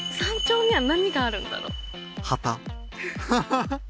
ハハハ。